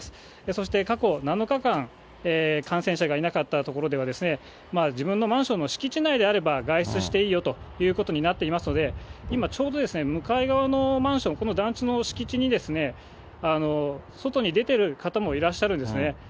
そして過去７日間、感染者がいなかった所では、自分のマンションの敷地内であれば、外出していいよということになっていますので、今ちょうど、向かい側のマンション、この団地の敷地に、外に出てる方もいらっしゃるんですね。